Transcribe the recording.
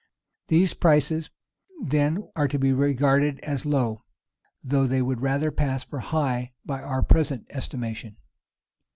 [*] These prices then are to be regarded as low; though they would rather pass for high by our present estimation.